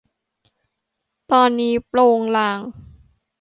ตอนนี้โปงลาง